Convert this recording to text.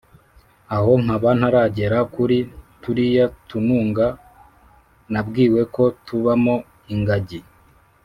aho nkaba ntaragera kuri turiya tununga nabwiwe ko tubamo ingagi